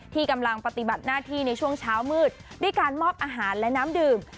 ที่กำลังปฏิบัติหน้าที่ในช่วงเช้ามืดด้วยการมอบอาหารและน้ำดื่ม